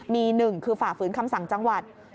มีหนึ่งคือฝ่าฝืนคำสั่งจังหวัด